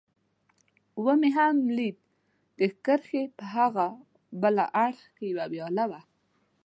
مې هم ولید، د کرښې په هاغه بل اړخ کې یوه ویاله وه.